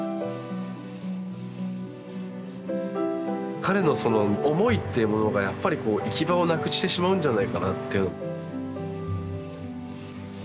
彼のその思いっていうものがやっぱり行き場をなくしてしまうんじゃないかなって。